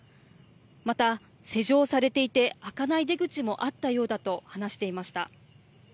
また、施錠されていて開かない出口もあったようだと話していました。